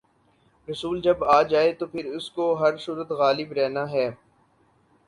رسول جب آ جائے تو پھر اس کو ہر صورت غالب رہنا ہے۔